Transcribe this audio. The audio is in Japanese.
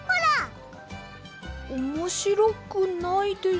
おもしろくないです。